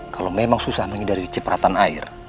kalau memang susah menghindari cepratan air